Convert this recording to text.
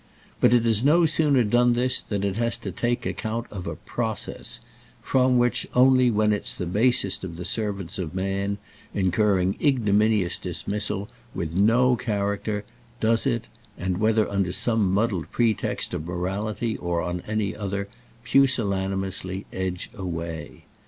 But it has no sooner done this than it has to take account of a process—from which only when it's the basest of the servants of man, incurring ignominious dismissal with no "character," does it, and whether under some muddled pretext of morality or on any other, pusillanimously edge away.